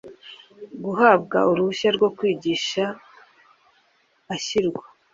guhabwa uruhushya rwo kwigisha ashyirwa